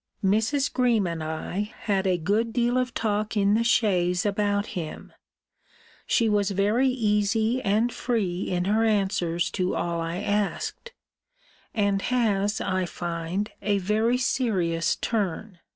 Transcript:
Mrs. Greme and I had a good deal of talk in the chaise about him: she was very easy and free in her answers to all I asked; and has, I find, a very serious turn.